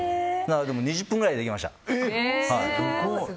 ２０分ぐらいでできました。